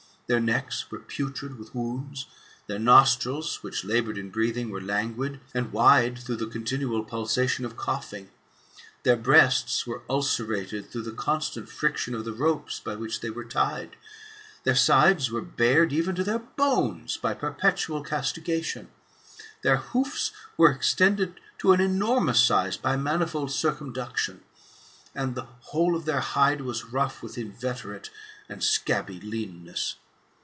Their necks were putrid with wounds; their nostrils, which laboured in breathing, were languid, and wide through the continual pulsation of coughing; their breasts were ulcerated through the constant friction of the ropes by which they were tied ; their sides were bared even to their bones, by perpetual castigation; their hoofs were extended to an enormous size by manifold circumduction; and the whole of their hide was rough with inveterate and scabby leanness.